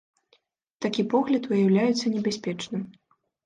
Такі погляд уяўляецца небяспечным.